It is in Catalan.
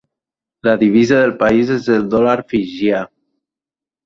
La divisa del país és el dòlar fijià.